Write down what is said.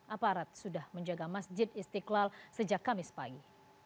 aparat sudah menjaga masjid istiqlal sejak kamis pagi